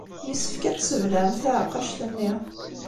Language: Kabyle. Yessefk ad tesbelɛem taɛeqqact-nni.